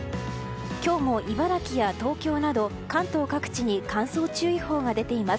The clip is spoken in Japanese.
今日も茨城や東京など関東各地に乾燥注意報が出ています。